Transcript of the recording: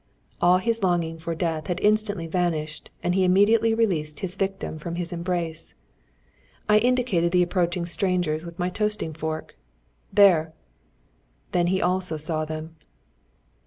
All his longing for death had instantly vanished, and he immediately released his victim from his embrace. I indicated the approaching strangers with my toasting fork. "There!" Then he also saw them.